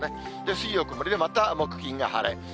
水曜曇りで、また木、金が晴れ。